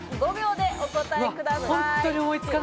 ５秒でお答えください。